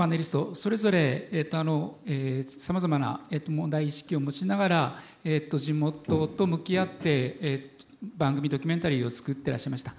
それぞれさまざまな問題意識を持ちながら地元と向き合って番組ドキュメンタリーを作っていらっしゃいました。